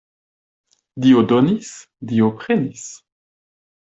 Dio donis, Dio prenis.